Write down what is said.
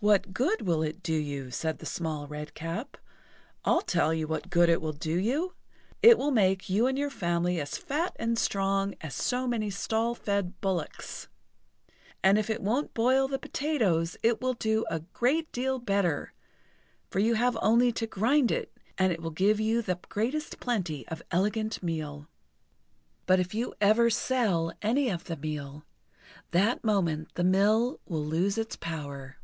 "What good will it do you?" said the Little Redcap. "I'll tell you what good it will do you! It will make you and your family as fat and strong as so many stall fed bullocks. And if it won't boil the potatoes, it will do a great deal better, for you have only to grind it, and it will give you the greatest plenty of elegant meal. But if you ever sell any of the meal, that moment the mill will lose its power."